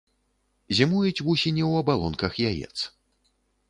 Зімуюць вусені ў абалонках яец.